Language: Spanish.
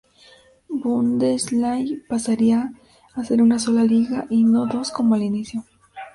Bundesliga pasaría a ser una sola liga y no dos como al inicio.